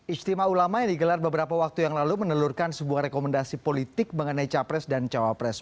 istimewa ulama yang digelar beberapa waktu yang lalu menelurkan sebuah rekomendasi politik mengenai capres dan cawapres